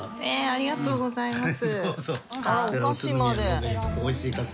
ありがとうございます。